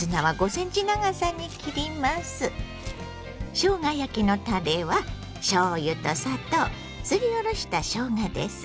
しょうが焼きのたれはしょうゆと砂糖すりおろしたしょうがです。